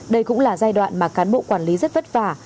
đây cũng là giai đoạn mà cán bộ quản lý rất vất vả